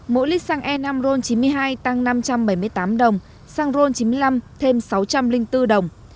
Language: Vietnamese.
mỗi lít xăng e năm ron chín mươi hai tăng năm trăm bảy mươi tám đồng xăng ron chín mươi năm thêm sáu trăm linh bốn đồng